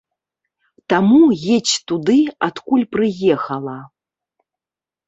Таму, едзь туды, адкуль прыехала.